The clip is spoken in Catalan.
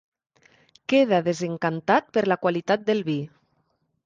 Queda desencantat per la qualitat del vi.